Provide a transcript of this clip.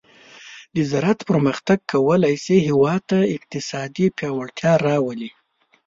د زراعت پرمختګ کولی شي هیواد ته اقتصادي پیاوړتیا راولي.